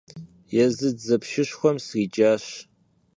Езы дзэпщышхуэм сриджащ!